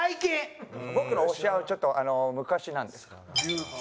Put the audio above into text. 僕の推しはちょっと昔なんですから。